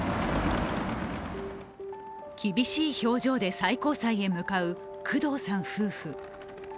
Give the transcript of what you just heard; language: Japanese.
厳しい表情で最高裁へ向かう工藤さん夫婦。